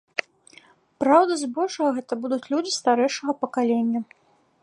Праўда, збольшага гэта будуць людзі старэйшага пакалення.